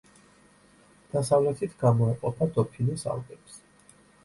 დასავლეთით გამოეყოფა დოფინეს ალპებს.